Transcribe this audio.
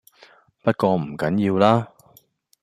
不過唔緊要啦